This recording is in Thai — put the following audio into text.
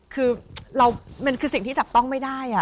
คือมันคือสิ่งที่จับต้องไม่ได้